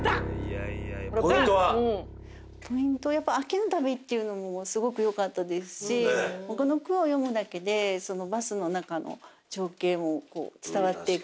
ポイントやっぱ「秋の旅」っていうのもすごく良かったですしこの句を読むだけでバスの中の情景も伝わってくる。